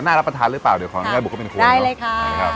น่ารับประทานหรือเปล่าเดี๋ยวของแย่บุกก็เป็นคุณนะครับได้เลยค่ะ